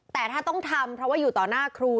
แต่ถ้าต้องทำเพราะว่าอยู่ต่อหน้าครู